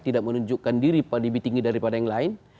tidak menunjukkan diri lebih tinggi daripada yang lain